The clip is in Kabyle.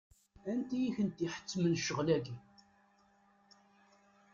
Anti i kent-iḥettmen ccɣel-agi?